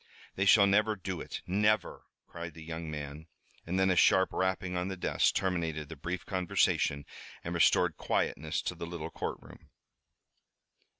"They shall never do it, never!" cried the young man. And then a sharp rapping on the desk terminated the brief conversation and restored quietness to the little courtroom.